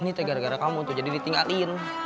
ini tuh gara gara kamu tuh jadi ditinggalkan